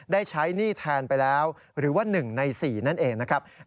ได้ใช้หนี้แทนไปแล้วหรือว่า๑ใน๔นั่นเองนะครับ